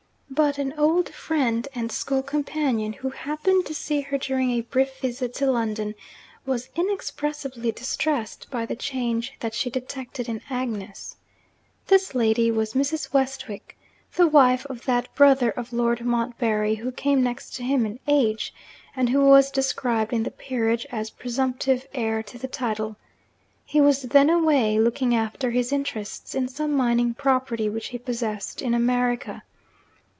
But an old friend and school companion who happened to see her during a brief visit to London, was inexpressibly distressed by the change that she detected in Agnes. This lady was Mrs. Westwick, the wife of that brother of Lord Montbarry who came next to him in age, and who was described in the 'Peerage' as presumptive heir to the title. He was then away, looking after his interests in some mining property which he possessed in America.